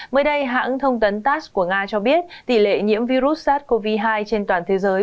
mới đây hãng thông tấn tass của nga cho biết tỷ lệ nhiễm virus sars cov hai trên toàn thế giới